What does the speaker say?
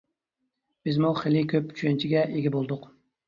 بىزمۇ خېلى كۆپ چۈشەنچىگە ئىگە بولدۇق.